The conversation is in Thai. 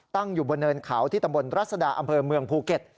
ตั้งอยู่บนเนินเขาที่ตำบลรัศดาอำเภอเมืองภูเก็ต